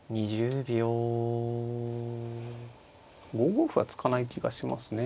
５五歩は突かない気がしますね